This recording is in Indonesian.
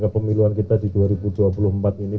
kepemiluan kita di dua ribu dua puluh empat ini